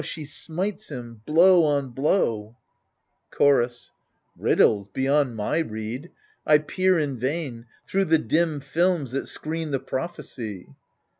She smites him, blow on blow ! Chorus Riddles beyond my rede — I peer in vain Thro* the dim films that screen the prophecy.